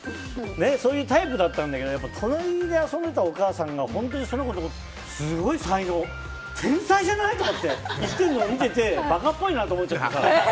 そういうタイプだったんだけど隣で遊んでたお母さんが本当に、その子のことをすごい才能、天才じゃない？とか言ってるの見てて馬鹿っぽいなって思っちゃって。